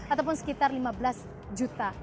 ataupun sekitar lima belas juta